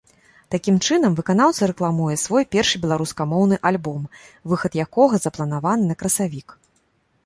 Такім чынам выканаўца рэкламуе свой першы беларускамоўны альбом, выхад якога запланаваны на красавік.